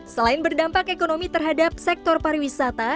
selain berdampak ekonomi terhadap sektor pariwisata